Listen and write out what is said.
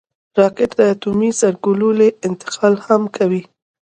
راکټ د اټومي سرګلولې انتقال هم کوي